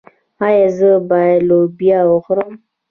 ایا زه باید لوبیا وخورم؟